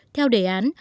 theo đề án